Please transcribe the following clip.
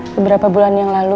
beberapa bulan yang lalu